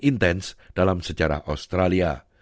intens dalam sejarah australia